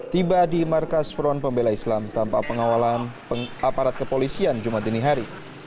tiba di markas front pembela islam tanpa pengawalan aparat kepolisian jumat ini hari